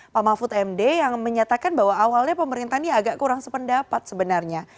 pak mahfud md yang menyatakan bahwa awalnya pemerintah ini agak kurang sependapat sebenarnya